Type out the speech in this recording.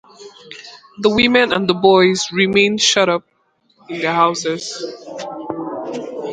The women and boys remained shut up in their houses.